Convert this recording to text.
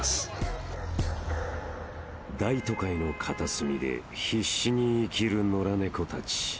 ［大都会の片隅で必死に生きる野良猫たち］